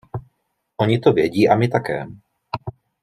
Oni to vědí a my také.